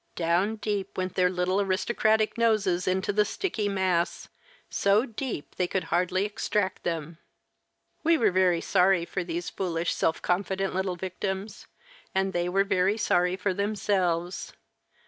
Down deep went their little aristocratic noses into the sticky mass, so deep they could hardly extract them! We were very sorry for these foolish, self confident little victims and they were very sorry for themselves.